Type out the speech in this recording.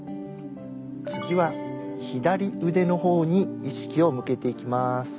次は左腕の方に意識を向けていきます。